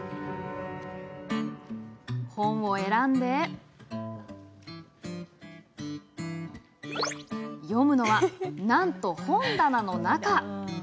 本を選んで読むのは、なんと本棚の中。